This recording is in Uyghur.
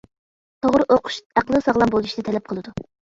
توغرا ئوقۇش ئەقلى ساغلام بولۇشنى تەلەپ قىلىدۇ.